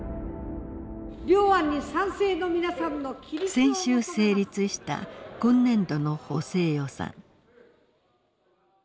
先週成立した今年度の補正予算。